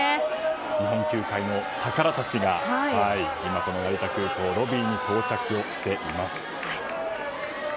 日本球界の宝たちが成田空港ロビーに到着しています。